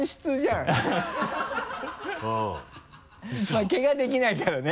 まぁけができないからね。